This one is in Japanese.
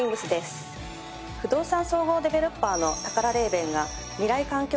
不動産総合デベロッパーのタカラレーベンが未来環境